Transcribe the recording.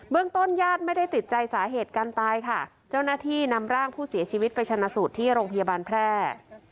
ต้นญาติไม่ได้ติดใจสาเหตุการตายค่ะเจ้าหน้าที่นำร่างผู้เสียชีวิตไปชนะสูตรที่โรงพยาบาลแพร่